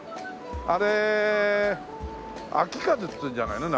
あれ「昭和」っていうんじゃないの？